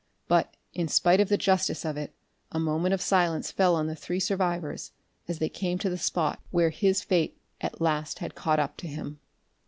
But, in spite of the justice of it, a moment of silence fell on the three survivors as they came to the spot where his fate at last had caught up to him.